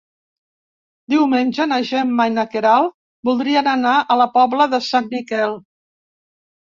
Diumenge na Gemma i na Queralt voldrien anar a la Pobla de Sant Miquel.